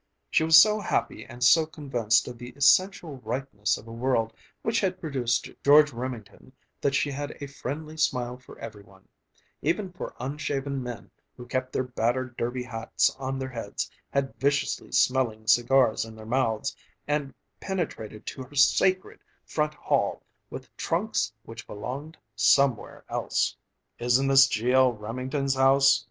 She was so happy and so convinced of the essential rightness of a world which had produced George Remington that she had a friendly smile for every one, even for unshaven men who kept their battered derby hats on their heads, had viciously smelling cigars in their mouths, and penetrated to her sacred front hall with trunks which belonged somewhere else. "Isn't this G. L. Remington's house?"